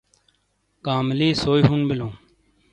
کاملی سئی ہون بلوں۔